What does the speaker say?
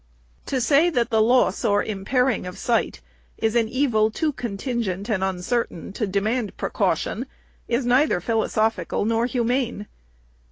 To say that the loss or impairing of sight is an evil too contingent and uncertain to demand precau tion, is neither philosophical nor humane.